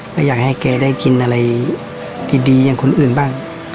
จนมีสินตรีดีอย่างคนอื่นบ้าง